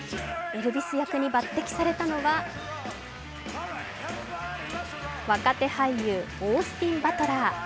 エルヴィス役に抜てきされたのは若手俳優、オースティン・バトラー。